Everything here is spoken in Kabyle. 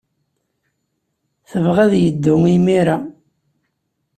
Tebɣa ad yeddu imir-a.